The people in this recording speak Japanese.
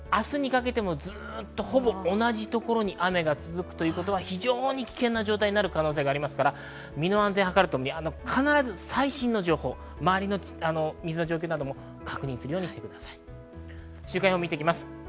ずっとほぼ同じところに雨が続くということは非常に危険な状態になる可能性がありますから、身の安全をはかるとともに必ず最新の情報、周りの水の状況なども確認してください。